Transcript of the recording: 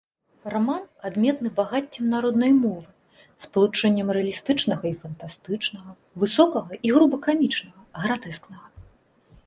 Раман адметны багаццем народнай мовы, спалучэннем рэалістычнага і фантастычнага, высокага і груба камічнага, гратэскнага.